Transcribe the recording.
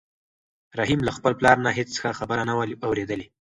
رحیم له خپل پلار نه هېڅ ښه خبره نه وه اورېدلې.